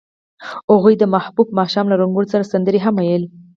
هغوی د محبوب ماښام له رنګونو سره سندرې هم ویلې.